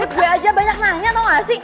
gue aja banyak nanya dong gak sih